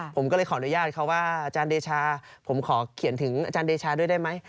ผมก็เลยขออนุญาตเขาว่าอาจารย์เดชาผมขอเขียนถึงอาจารย์เดชาด้วยได้ไหม